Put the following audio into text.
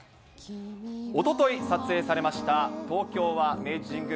おととい撮影されました東京は明治神宮